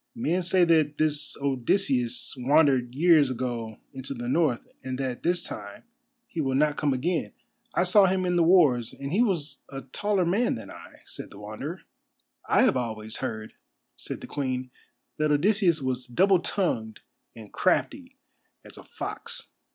"Men say that this Odysseus wandered years ago into the North, and that this time he will not come again. I saw him in the wars, and he was a taller man than I," said the Wanderer. "I have always heard," said the Queen, "that Odysseus was double tongued and crafty as a fox.